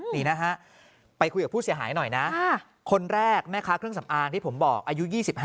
นี่นะฮะไปคุยกับผู้เสียหายหน่อยนะคนแรกแม่ค้าเครื่องสำอางที่ผมบอกอายุ๒๕